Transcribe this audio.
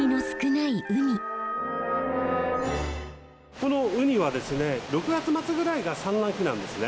このウニはですね６月末ぐらいが産卵期なんですね。